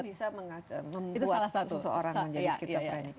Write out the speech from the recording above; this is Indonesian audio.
itu bisa membuat seseorang menjadi schizophrenic